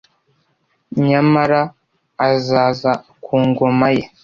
nyamara azaza ku ngoma ye,